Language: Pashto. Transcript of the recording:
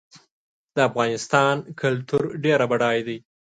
د افغانستان کلتور ډېر بډای دی.